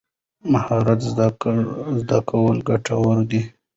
مهارت زده کول ګټور دي.